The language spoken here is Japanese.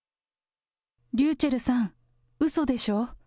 ｒｙｕｃｈｅｌｌさん、うそでしょう？